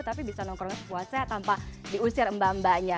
tapi bisa nongkrong sepuasa tanpa diusir mba mbanya